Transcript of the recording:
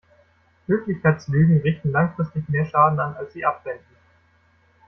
Höflichkeitslügen richten langfristig mehr Schaden an, als sie abwenden.